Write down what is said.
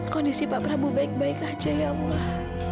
kondisi pak prabowo baik baik aja ya allah